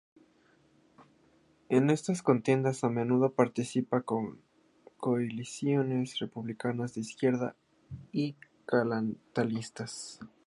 En estas contiendas a menudo participaba con coaliciones republicanas, de izquierdas y catalanistas.